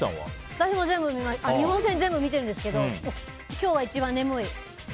私も日本戦全部見たんですけど今日は一番眠い。